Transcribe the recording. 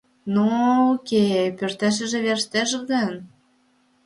Но-о, уке-е, пӧртешыже верештеш гын...